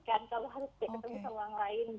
kalau harus ke tempat yang lain